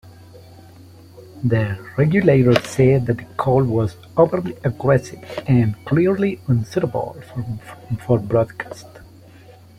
The regulator said that the call was "overtly aggressive" and "clearly unsuitable for broadcast".